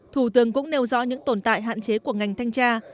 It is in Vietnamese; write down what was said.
thủ tướng cũng nêu rõ những tồn tại hạn chế của ngành thanh tra